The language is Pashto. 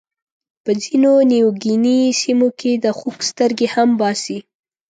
په ځینو نیوګیني سیمو کې د خوک سترګې هم باسي.